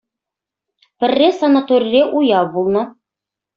Пӗрре санаторире уяв пулнӑ.